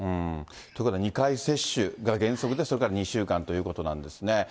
ということは２回接種ということが原則で、それから２週間ということなんですね。